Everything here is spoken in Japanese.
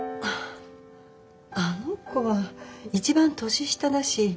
あの子は一番年下だし第一